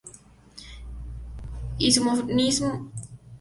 Y su monismo filosófico pretende superar todo dualismo entre lo físico y lo psíquico.